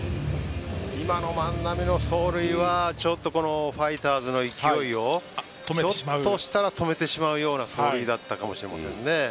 今の万波の走塁はファイターズの勢いをひょっとしたら止めてしまうような走塁だったかもしれませんね。